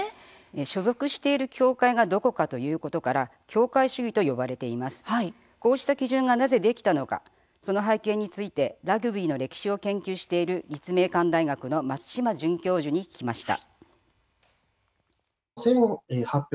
所属している協会がどこかということから協会主義と呼ばれる基準がなぜ、できたのかその背景についてラグビーの歴史を研究している立命館大学の松島准教授に聞きました。